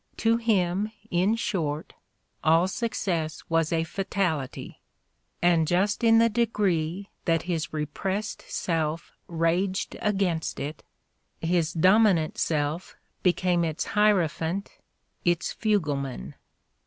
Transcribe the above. To him, in short, all success was a fatality ; and just in the degree that his repressed self raged against it, his dominant self became its hierophant, its fugleman.